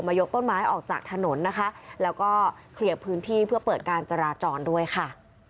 ยกต้นไม้ออกจากถนนนะคะแล้วก็เคลียร์พื้นที่เพื่อเปิดการจราจรด้วยค่ะ